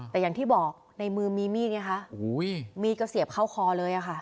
แต่อย่างที่บอกในมือมีมีดไงคะมีดก็เสียบเข้าคอเลยค่ะ